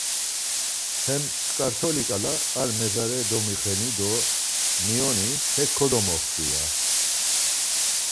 Hem tzǩartoli ǩala ar mezare domixeni do mioni hek kodomoxvi ya.